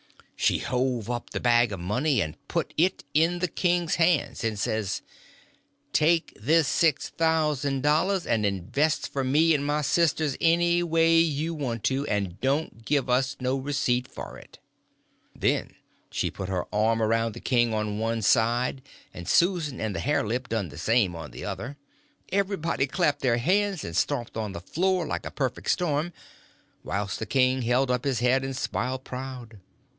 She hove up the bag of money and put it in the king's hands, and says, "Take this six thousand dollars, and invest for me and my sisters any way you want to, and don't give us no receipt for it." Then she put her arm around the king on one side, and Susan and the hare lip done the same on the other. Everybody clapped their hands and stomped on the floor like a perfect storm, whilst the king held up his head and smiled proud.